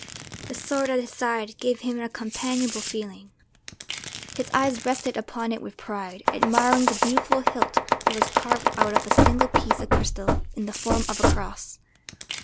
The sword at his side gave him a companionable feeling; his eyes rested upon it with pride, admiring the beautiful hilt that was carved out of a single piece of crystal in the form of a cross.